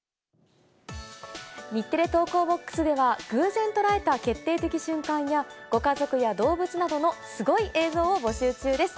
日テレ投稿ボックスでは、偶然捉えた決定的瞬間や、ご家族や動物などのすごい映像を募集中です。